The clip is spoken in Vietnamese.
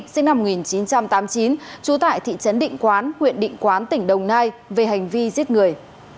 sinh năm một nghìn chín trăm tám mươi chín trú tại thị trấn định quán huyện định quán tỉnh đồng nai về hành vi giết người